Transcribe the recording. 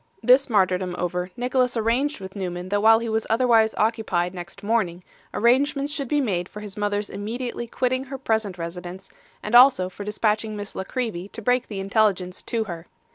This martyrdom over, Nicholas arranged with Newman that while he was otherwise occupied next morning, arrangements should be made for his mother's immediately quitting her present residence, and also for dispatching Miss La Creevy to break the intelligence to her.